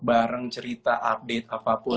bareng cerita update apapun